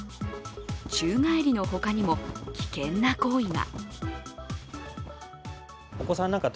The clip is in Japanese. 宙返りの他にも危険な行為が。